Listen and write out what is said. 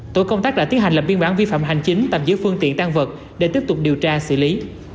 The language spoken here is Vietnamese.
tổ công tác đã tiến hành lập biên bản vi phạm hành chính tạm giữ phương tiện tan vật để tiếp tục điều tra xử lý